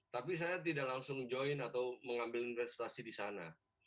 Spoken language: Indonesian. tapi saya tidak langsung join atau mengambil investasi di sana